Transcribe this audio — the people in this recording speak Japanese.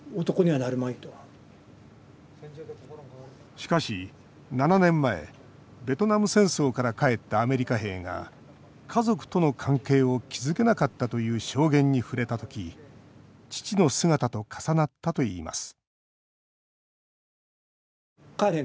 しかし７年前ベトナム戦争から帰ったアメリカ兵が家族との関係を築けなかったという証言に触れた時父の姿と重なったといいます